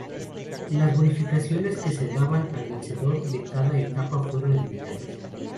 Las bonificaciones que se daban al vencedor de cada etapa fueron eliminadas.